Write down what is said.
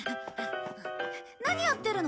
何やってるの？